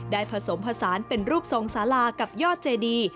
ผสมผสานเป็นรูปทรงสารากับยอดเจดี